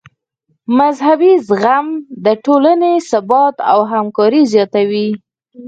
مذهبي زغم د ټولنې ثبات او همکاري زیاتوي.